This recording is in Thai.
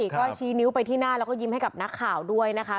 ก็ชี้นิ้วไปที่หน้าแล้วก็ยิ้มให้กับนักข่าวด้วยนะคะ